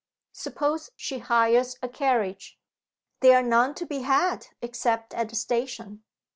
Suppose she hires a carriage?" "There are none to be had, except at the station."